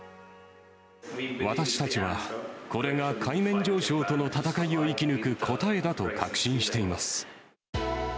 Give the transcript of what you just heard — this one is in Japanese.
私たちはこれが海面上昇との闘いを生き抜く答えだと確信しています。